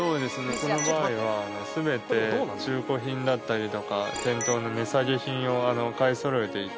この場合は全て中古品だったりとか値下げ品を買い揃えていて。